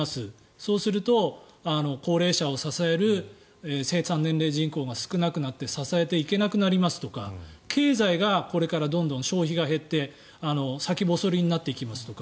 そうすると、高齢者を支える生産年齢人口が少なくなって支えていけなくなりますとか経済がこれからどんどん消費が減って先細りになっていきますとか。